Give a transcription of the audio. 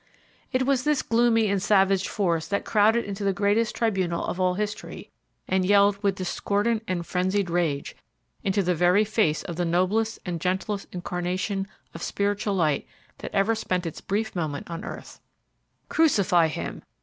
It was this gloomy and savage force that crowded into the greatest tribunal of all history, and yelled with discordant and frenzied rage into the very face of the noblest and gentlest incarnation of spiritual light that ever spent its brief moment on earth: "Crucify Him!